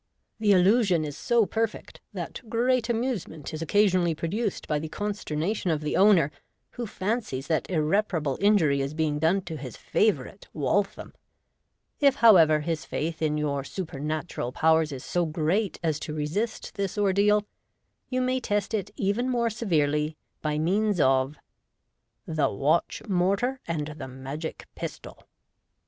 The il lusion is so perfect, prG l0l that great amuse ment is occasionally produced by the consternation of the owner, who fancies that irreparable injury is being done to his favourite "Waltham" If, however, his faith in your supernatural powers is so great as to resist this ordeal, you may test it even more severely by means of The Watch mortar and the Magic Pistol.